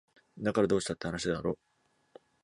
だからどうしたって話だろ